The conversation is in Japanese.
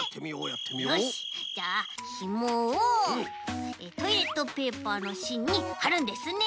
よしじゃあひもをトイレットペーパーのしんにはるんですね。